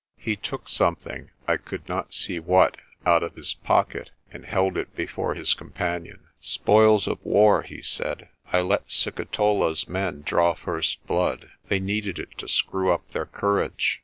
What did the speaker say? He took something I could not see what out of his pocket and held it before his companion. "Spoils of war," he said. "I let Sikitola's men draw first blood. They needed it to screw up their courage.